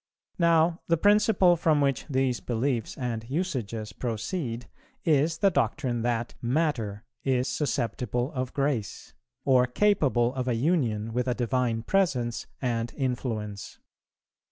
Now, the principle from which these beliefs and usages proceed is the doctrine that Matter is susceptible of grace, or capable of a union with a Divine Presence and influence.